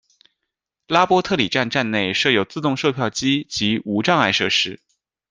拉波特里站站内设有自动售票机及无障碍设施。